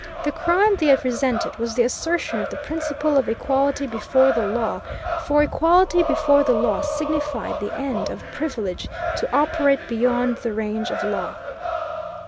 The crime they resented was the assertion of the principle of equality before the law, for equality before the law signified the end of privilege to operate beyond the range of law.